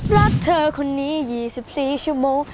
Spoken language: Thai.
รักเธอคนนี้๒๔ชั่วโมง